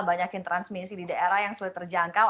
banyakin transmisi di daerah yang sulit terjangkau